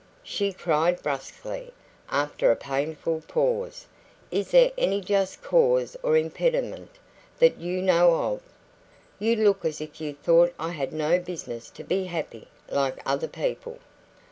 she cried brusquely, after a painful pause. "Is there any just cause or impediment that you know of? You look as if you thought I had no business to be happy like other people."